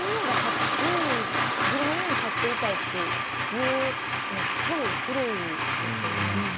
自分が優位に立っていたいっていうのってすごい古いですよね。